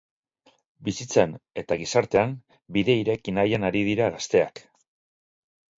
Bizitzan eta gizartean bidea ireki nahian ari dira gazteak.